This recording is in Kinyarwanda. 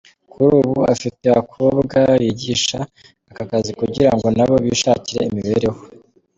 kuri ubu afite abakobwa yigisha aka kazi kugira ngo nabo bishakire imibereho.